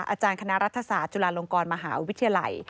อาจารย์คณะรัฐศาสตร์จุฬาลงกรมหาวิทยาลัย